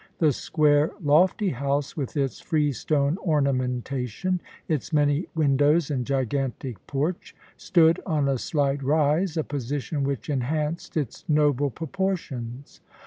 The square, lofty house, with its freestone ornamentation, its many windows and gigantic porch, stood on a slight rise, a position which enhanced its noble proportions.